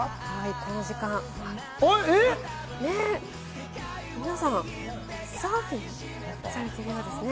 この時間、皆さん、サーフィンされているようですね。